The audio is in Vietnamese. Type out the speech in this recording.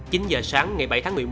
chín h sáng ngày bảy tháng một mươi một